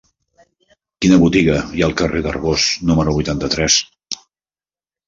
Quina botiga hi ha al carrer d'Arbós número vuitanta-tres?